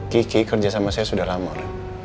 kiki kerja sama saya sudah lamor